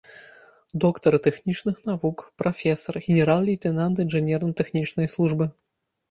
Доктар тэхнічных навук, прафесар, генерал-лейтэнант інжынерна-тэхнічнай службы.